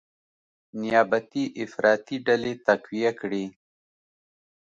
نیابتي افراطي ډلې تقویه کړي،